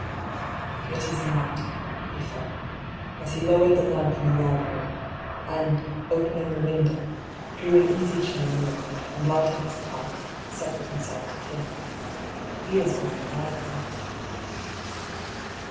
" It is not," he thought, as he lowered the lamp in the library, and opening the window, drew an easy chair near it and lighting his pipe, settled himself to think. " He is growing like her."